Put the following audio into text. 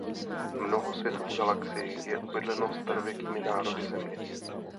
Mnoho světů v galaxii je obydleno starověkými národy Země.